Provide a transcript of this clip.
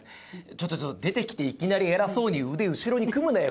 ちょっとちょっと出てきていきなり偉そうに腕後ろに組むなよ